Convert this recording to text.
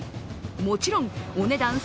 もちろん、お値段